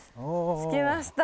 着きました。